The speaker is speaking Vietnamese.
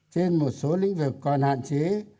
trên một số lĩnh vực còn hạn chế